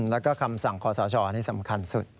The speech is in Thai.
แล้วก็คำสั่งขอสชนี่สำคัญสุด